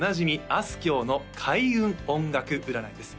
あすきょうの開運音楽占いです